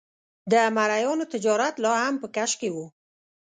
د مریانو تجارت لا هم په کش کې و.